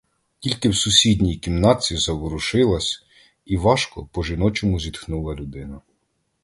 Тільки в сусідній кімнатці заворушилась і важко по-жіночому зітхнула людина.